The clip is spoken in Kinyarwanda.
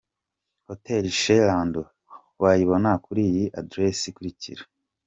Hotel Chez Lando wayibona kuri iyi Address ikurikira.